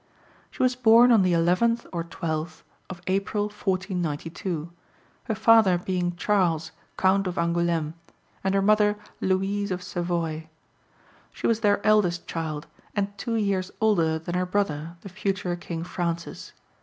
She was born on the 11th or 12th of April 1492, her father being Charles, Count of Angoulême, and her mother Louise of Savoy. She was their eldest child, and two years older than her brother, the future King Francis.